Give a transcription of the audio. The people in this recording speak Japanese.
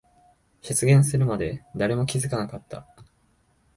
出現するまで誰も気づかなかった。